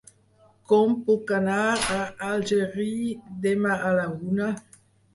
Com puc anar a Algerri demà a la una?